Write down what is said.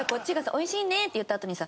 「おいしいね」って言ったあとにさ